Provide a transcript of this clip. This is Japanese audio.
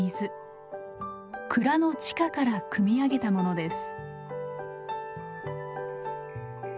蔵の地下からくみ上げたものです。